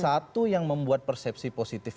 satu yang membuat persepsi positif